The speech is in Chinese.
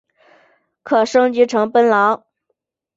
可升级成奔狼。